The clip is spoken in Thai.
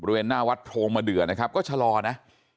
บริเวณหน้าวัดโพรงมะเดือนะครับก็ชะลอนะ